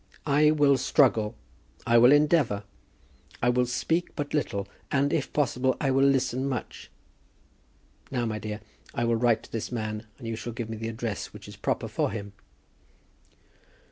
"I will struggle. I will endeavour. I will speak but little, and, if possible, I will listen much. Now, my dear, I will write to this man, and you shall give me the address that is proper for him."